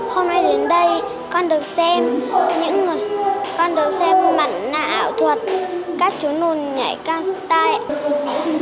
hôm nay đến đây con được xem những người con được xem mặt nạ ảo thuật các chú nồn nhảy can style